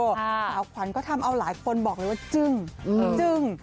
สาวขวัญก็ทำเอาหลายคนบอกเลยว่าจึ้งจึ้ง